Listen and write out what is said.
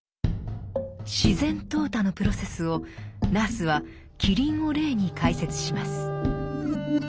自然淘汰のプロセスをナースはキリンを例に解説します。